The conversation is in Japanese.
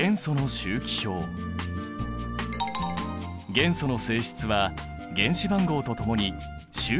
元素の性質は原子番号とともに周期的に変化する。